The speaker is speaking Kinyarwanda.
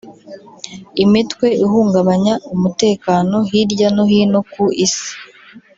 imitwe ihungabanya umutekano hirya no hino ku isi